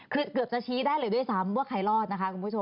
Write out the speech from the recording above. คือเกือบจะชี้ได้เลยด้วยซ้ำว่าใครรอดนะคะคุณผู้ชม